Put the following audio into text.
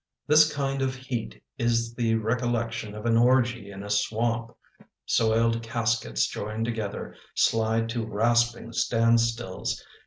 This kind of heat is the recollection Of an orgy in a swamp. Soiled caskets joined together Slide to rasping stand stills.